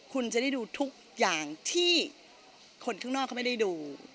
คุณจะได้ดูทุกอย่างที่คนข้างนอกเขาไม่ได้ดู